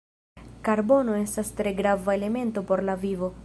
Karbono estas tre grava elemento por la vivo.